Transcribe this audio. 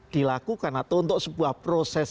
dilakukan atau untuk sebuah proses